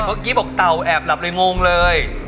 เมื่อกี้บอกเต่าแอบหลับเลยงงเลย